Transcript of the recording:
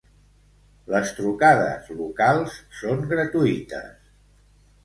Les trucades locals són gratuïtes.